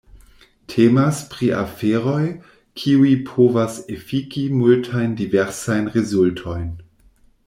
Temas pri aferoj, kiuj povas efiki multajn diversajn rezultojn.